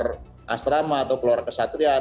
keluar asrama atau keluar kesatrian